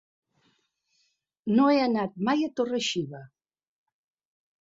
No he anat mai a Torre-xiva.